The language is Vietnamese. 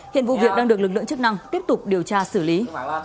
hiện vụ việc đang được lực lượng chức năng tiếp tục điều tra xử lý